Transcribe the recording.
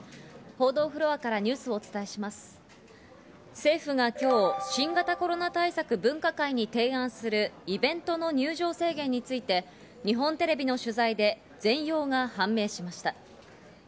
政府が今日、新型コロナ対策分科会に提案するイベントの入場制限について日本テレビの取材で全容が判明しました。